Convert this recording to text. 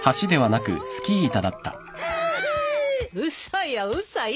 嘘よ嘘よ。